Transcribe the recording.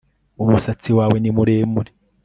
umusatsi wawe ni muremure .